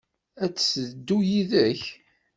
Ad d-teddu yid-k?